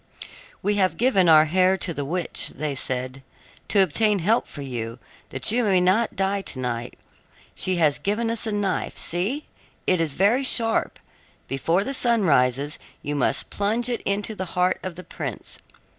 "We have given our hair to the witch," said they, "to obtain help for you, that you may not die to night. She has given us a knife; see, it is very sharp. Before the sun rises you must plunge it into the heart of the prince.